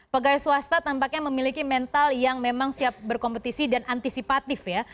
pegawai swasta tampaknya memiliki mental yang memang siap berkompetisi dan antisipatif ya